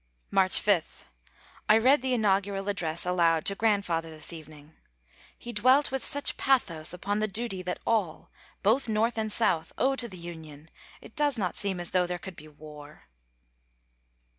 March 5. I read the inaugural address aloud to Grandfather this evening. He dwelt with such pathos upon the duty that all, both North and South, owe to the Union, it does not seem as though there could be war!